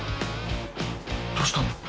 どうしたの？